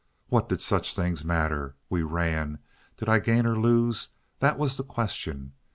What did such things matter? We ran. Did I gain or lose? that was the question.